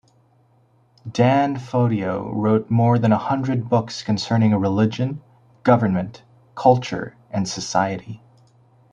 Dan Fodio wrote more than a hundred books concerning religion, government, culture, and society.